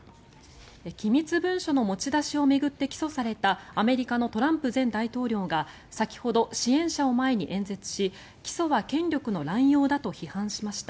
機密文書の持ち出しを巡って起訴されたアメリカのトランプ前大統領が先ほど、支援者を前に演説し起訴は権力の乱用だと批判しました。